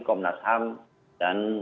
komnas ham dan